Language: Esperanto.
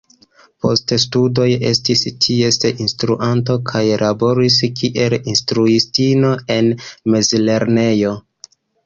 Post studoj estis ties instruanto kaj laboris kiel instruistino en mezlernejo.